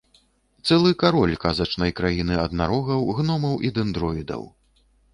Цэлы кароль казачнай краіны аднарогаў, гномаў і дэндроідаў!